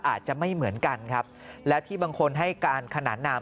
อาจจะไม่เหมือนกันครับและที่บางคนให้การขนานนาม